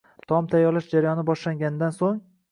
Taom tayyorlash jarayoni boshlanganidan so’ng